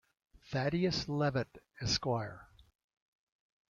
Thaddeus Leavitt Esq.